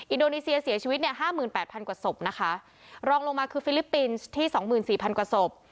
อินโดนีเซียเสียชีวิตเนี่ยห้าหมื่นแปดพันกว่าศพนะคะรองลงมาคือฟิลิปปินส์ที่สองหมื่นสี่พันกว่าศพ